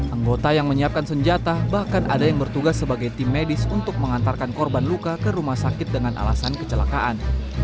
anggota yang menyiapkan senjata bahkan ada yang bertugas sebagai tim medis untuk mengantarkan korban luka ke rumah sakit dengan alasan kecelakaan